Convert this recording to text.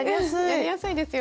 やりやすいですよね。